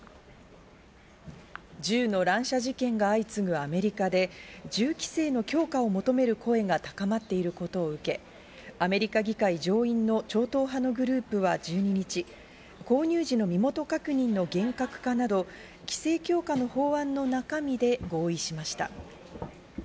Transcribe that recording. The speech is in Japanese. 銃の乱射事件が相次ぐアメリカで銃規制の強化を求める声が高まっていることを受け、アメリカ議会上院の超党派のグループは１２日、購入時の身元確認の厳格化など、規制強化の法案の中身で合意しました。